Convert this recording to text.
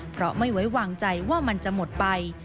เพราะไม่ไว้วางใจว่ามันจะหมดไป